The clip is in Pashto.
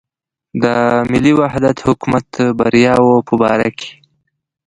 د ملي وحدت حکومت بریاوو په باره کې.